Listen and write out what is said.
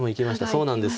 そうなんです。